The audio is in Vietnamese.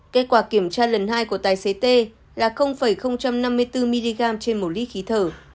kết quả kiểm tra lần hai của tài xế t là năm mươi bốn mg trên một lít khí thở